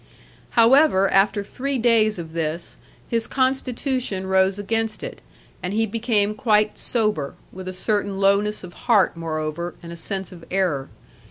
However, after three days of this, his constitution rose against it, and he became quite sober; with a certain lowness of heart moreover, and a sense of error.